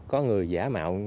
có người giả mạo